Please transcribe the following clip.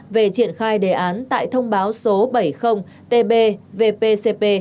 về triển khai đề án tại thông báo số bảy mươi tb vpcp